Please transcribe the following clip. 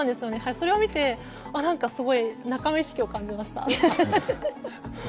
それを見て、すごい仲間意識を感じました。